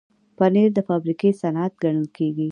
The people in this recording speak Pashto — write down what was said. پنېر د فابریکو صنعت ګڼل کېږي.